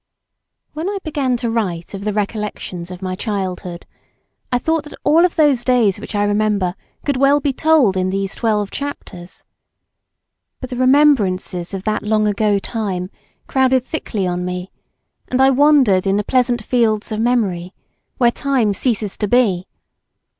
When I began to write of the recollections of my childhood, I thought that all of those days which I remember could well be told in these twelve chapters. But the remembrances of that long ago time crowded thickly on me, and I wandered in the pleasant fields of memory, where time ceases to be.